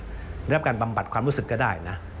ได้รับการบำบัดความรู้สึกก็ได้นะ